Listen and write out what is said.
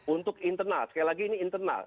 untuk internal sekali lagi ini internal